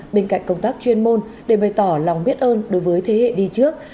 bên cạnh công tác chuyên môn để bày tỏ lòng biết ơn đối với thế hệ đi trước